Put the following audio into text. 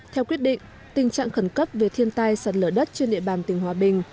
theo quyết định tình trạng khẩn cấp về thiên tai sạt lở đất trên địa bàn tỉnh hòa bình